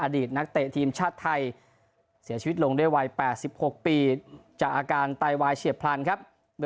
อดีตนักเตะทีมชาติไทยเสียชีวิตลงด้วยวัย๘๖ปีจากอาการไตวายเฉียบพลันครับ